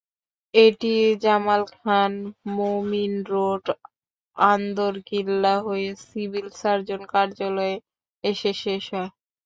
এটি জামালখান, মোমিন রোড, আন্দরকিল্লা হয়ে civil surgeon কার্যালয়ে এসে শেষ হয়।